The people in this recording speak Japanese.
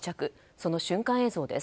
その瞬間映像です。